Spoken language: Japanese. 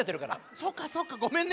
そうかそうかごめんね。